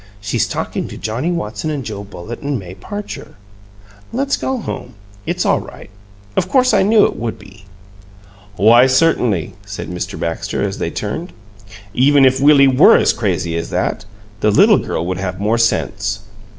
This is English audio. "She's talking to Johnnie Watson and Joe Bullitt and May Parcher. Let's go home; it's all right. Of course I knew it would be." "Why, certainly," said Mr. Baxter, as they turned. "Even if Willie were as crazy as that, the little girl would have more sense.